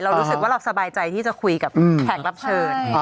รู้สึกว่าเราสบายใจที่จะคุยกับแขกรับเชิญ